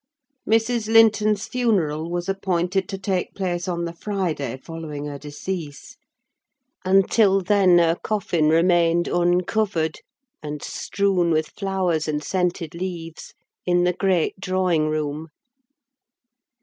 Mrs. Linton's funeral was appointed to take place on the Friday following her decease; and till then her coffin remained uncovered, and strewn with flowers and scented leaves, in the great drawing room.